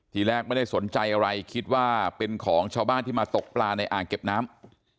ทีแรกไม่ได้สนใจอะไรคิดว่าเป็นของชาวบ้านที่มาตกปลาในอ่างเก็บน้ำ